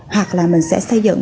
hoặc là mình sẽ xây dựng